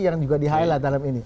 yang juga di highlight dalam ini